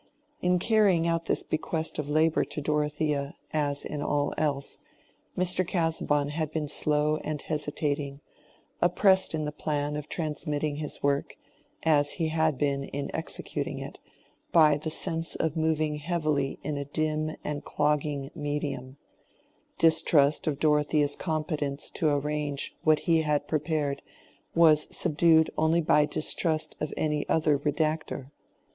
In carrying out this bequest of labor to Dorothea, as in all else, Mr. Casaubon had been slow and hesitating, oppressed in the plan of transmitting his work, as he had been in executing it, by the sense of moving heavily in a dim and clogging medium: distrust of Dorothea's competence to arrange what he had prepared was subdued only by distrust of any other redactor.